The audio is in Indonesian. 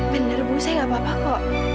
bener bu saya gak apa apa kok